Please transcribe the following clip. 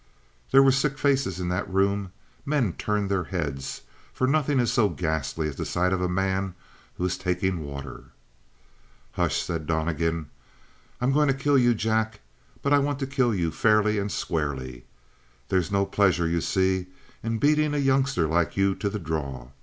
There were sick faces in that room; men turned their heads, for nothing is so ghastly as the sight of a man who is taking water. "Hush," said Donnegan. "I'm going to kill you, Jack. But I want to kill you fairly and squarely. There's no pleasure, you see, in beating a youngster like you to the draw.